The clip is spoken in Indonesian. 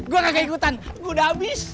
gua kagak ikutan gua udah abis